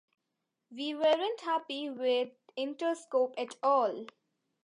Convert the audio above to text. We weren't happy with Interscope at all.